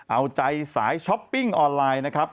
เอาใจสายช้อปปิ้งออนไลน์นะครับ